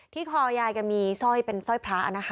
คอยายแกมีสร้อยเป็นสร้อยพระนะคะ